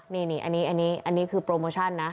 นี่อันนี้คือโปรโมชั่นนะ